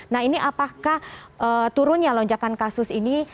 nah ini apakah turunnya lonjakan kasus ini